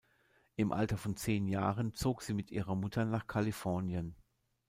Im Alter von zehn Jahren zog sie mit ihrer Mutter nach Kalifornien.